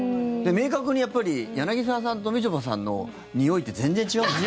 明確にやっぱり柳澤さんとみちょぱさんのにおいって全然違うんですね。